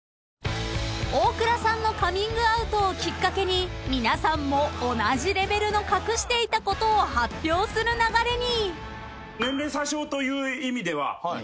［大倉さんのカミングアウトをきっかけに皆さんも同じレベルの隠していたことを発表する流れに！］